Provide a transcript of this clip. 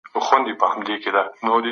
هر انسان د خپل کرامت د ساتلو حق لري.